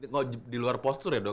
kalau di luar postur ya dok